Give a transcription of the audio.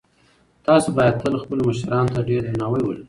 تاسو باید تل خپلو مشرانو ته ډېر درناوی ولرئ.